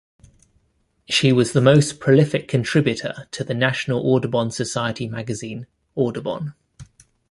She was the most prolific contributor to the National Audubon Society magazine "Audubon".